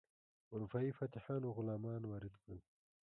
اروپایي فاتحانو غلامان وارد کړل.